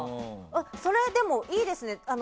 それは、いいですね。